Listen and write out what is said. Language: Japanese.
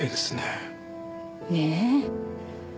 ねえ。